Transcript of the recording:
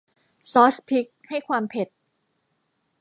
ซอสพริกให้ความเผ็ด